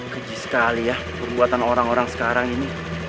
keji sekali ya perbuatan orang orang sekarang ini